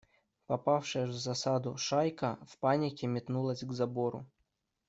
Попавшая в засаду шайка в панике метнулась к забору.